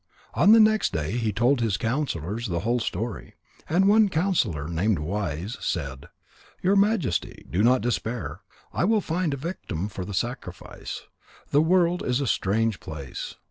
On the next day he told his counsellors the whole story. And one counsellor named Wise said: "Your Majesty, do not despair. I will find a victim for the sacrifice. The world is a strange place."